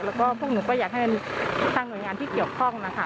และพวกหนูก็อยากให้ในทางหน่วยงานวิทยุข้องนะคะ